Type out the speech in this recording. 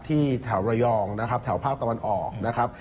แถวระยองนะครับแถวภาคตะวันออกนะครับ